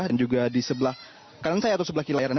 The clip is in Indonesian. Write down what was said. dan juga di sebelah kanan saya atau sebelah kiri layar anda